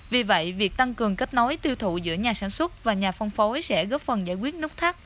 vì vậy việc tăng cường kết nối tiêu thụ giữa nhà sản xuất và nhà phân phối sẽ góp phần giải quyết nút thắt